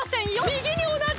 みぎにおなじ！